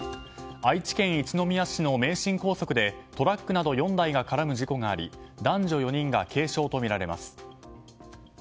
愛知県一宮市の名神高速でトラックなど４台が絡む事故があり男女４人が軽傷とみられます。